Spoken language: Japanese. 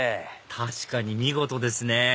確かに見事ですね